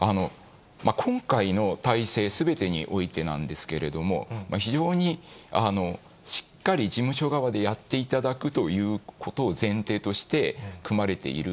今回の体制、すべてにおいてなんですけれども、非常にしっかり事務所側でやっていただくということを前提として、組まれている。